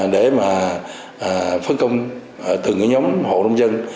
để mà phân công từ những cái nhóm hộ nông dân